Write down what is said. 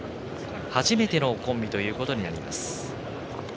初めてのコンビということになります。